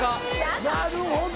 なるほど。